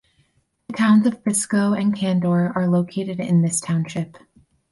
The Towns of Biscoe and Candor are located in this township.